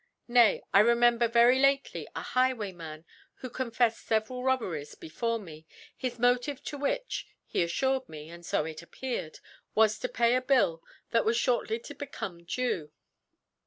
Nay, I remember very lately a Highwayman whoconfeflfed feveral Rob beries before me, his Motive to which, he alTured me, (and (b it appeared) was to pay a Bill^ that was Ihprtly to become due..